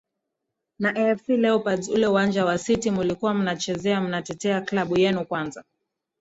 na afc leopards ule uwanja wa city mulikuwa munacheza mnatetea klabu yenu kwanza